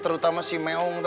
terutama si meong